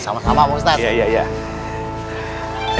sama sama pak ustadz